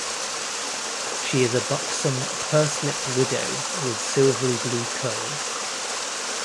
She is a buxom, purse-lipped widow, with silvery blue curls.